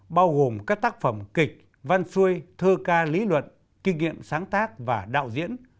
bao gồm các tác phẩm kịch văn xuôi thơ ca lý luận kinh nghiệm sáng tác và đạo diễn